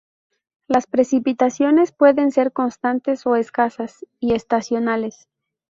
Las precipitaciones pueden ser constantes o escasas y estacionales.